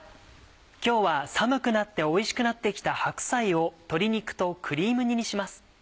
今日は寒くなっておいしくなって来た白菜を鶏肉とクリーム煮にします。